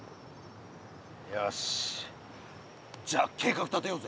よしじゃあ計画立てようぜ。